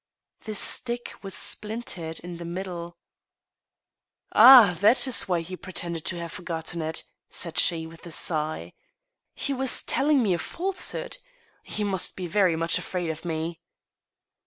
The stick was splintered in the middle. " Ah ! that is why he pretended to have forgotten it," said she, with a sigh. " He was telling me a falsehood. He must be very much afraid of me